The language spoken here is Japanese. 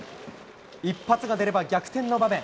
一発が出れば逆転の場面。